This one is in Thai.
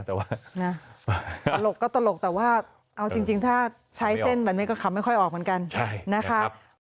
ตลกก็ตลกแต่ว่าเอาจริงถ้าใช้เส้นแบบนี้ก็คำไม่ค่อยออกเหมือนกัน